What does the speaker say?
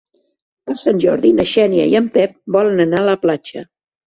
Per Sant Jordi na Xènia i en Pep volen anar a la platja.